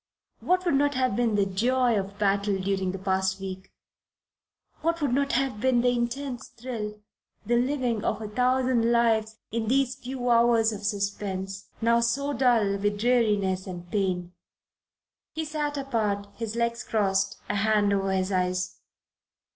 what would not have been the joy of battle during the past week, what would not have been the intense thrill, the living of a thousand lives in these few hours of suspense now so dull with dreariness and pain! He sat apart, his legs crossed, a hand over his eyes.